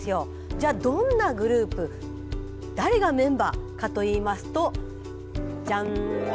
じゃあどんなグループ誰がメンバーかといいますとジャン。